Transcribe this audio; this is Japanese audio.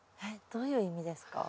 どういう意味ですか？